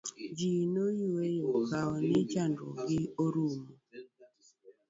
ji noyueyo kawe ni chandruok gi orumo